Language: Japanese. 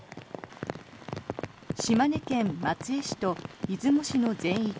島根県松江市と出雲市の全域